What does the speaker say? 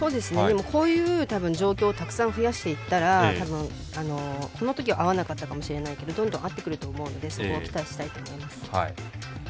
こういう状況をたくさん増やしていったら多分、このときは合わなかったかもしれないですけどどんどん合ってくると思うので、そこを期待したいと思います。